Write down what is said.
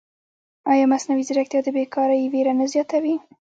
ایا مصنوعي ځیرکتیا د بېکارۍ وېره نه زیاتوي؟